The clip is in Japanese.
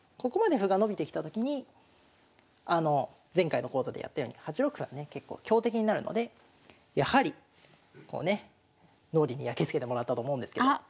ここまで歩が伸びてきたときに前回の講座でやったように８六歩はね結構強敵になるのでやはりこうね脳裏にやきつけてもらったと思うんですけど。